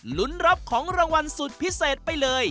ลุ้นรับของรางวัลสุดพิเศษไปเลย